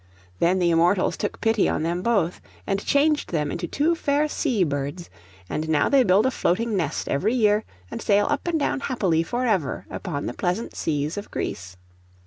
Then the Immortals took pity on them both, and changed them into two fair sea birds; and now they build a floating nest every year, and sail up and down happily for ever upon the pleasant seas of Greece.